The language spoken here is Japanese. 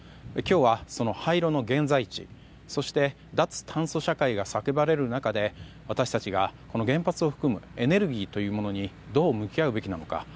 今日は廃炉の現在地そして脱炭素社会が叫ばれる中で私たちが原発を含むエネルギーというものにどう向き合うべきなのか。